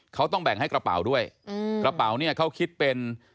เขาต้องแบ่งให้กระเป๋าด้วยกระเป๋าเนี่ยเขาคิดเป็น